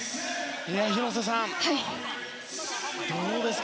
広瀬さん、どうですか？